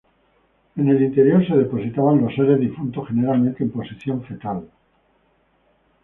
En el interior se depositaban los seres difuntos, generalmente en posición fetal.